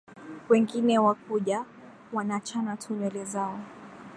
wengine wakuja wanachana tu nywele zao